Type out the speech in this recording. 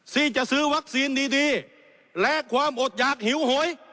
ที่จะซื้อวัคซีนดีและความอดหยากหิวโหย